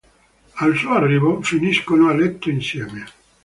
Al suo arrivo, finiscono a letto insieme.